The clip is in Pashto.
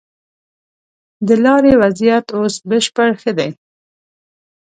د لارې وضيعت اوس بشپړ ښه دی.